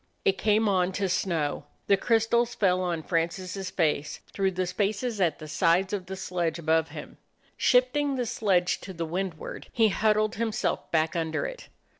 It came on to snow. The crystals fell on Francis's face through the spaces at the sides of the sledge above him. Shifting the sledge to the windward, he huddled himself back under it.